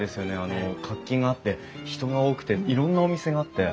活気があって人が多くていろんなお店があって。